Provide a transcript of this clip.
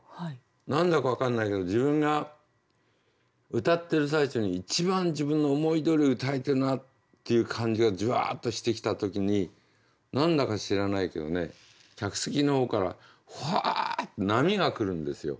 何だか分かんないけど自分が歌ってる最中に一番自分の思いどおり歌えてるなっていう感じがじわっとしてきた時に何だか知らないけどね客席の方からフワッて波が来るんですよ。